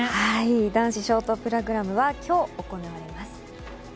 男子ショートプログラムは今日行われます。